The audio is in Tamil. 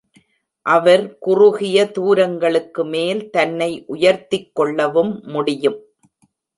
அவர் குறுகிய தூரங்களுக்கு மேல் தன்னை உயர்த்திக் கொள்ளவும் முடியும்.